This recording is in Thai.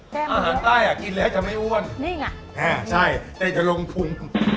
อาหารใต้อ่ะกินแล้วจะไม่อ้วนนี่ไงอ่าใช่แต่จะลงทุน